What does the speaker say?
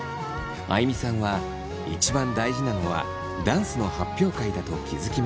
あいみさんは一番大事なのはダンスの発表会だと気付きました。